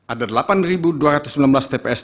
ada delapan dua ratus sembilan belas tps